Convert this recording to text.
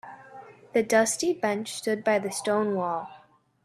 The dusty bench stood by the stone wall.